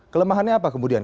kelemahannya apa kemudian